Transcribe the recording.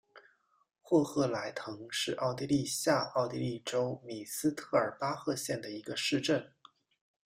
霍赫莱滕是奥地利下奥地利州米斯特尔巴赫县的一个市镇。